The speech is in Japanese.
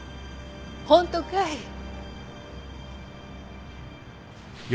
本当かい？